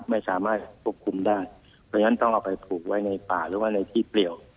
ไม่สามารถควบคุมได้เพราะฉะนั้นต้องเอาไปผูกไว้ในป่าหรือว่าในที่เปลี่ยว